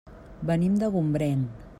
Venim de Gombrèn.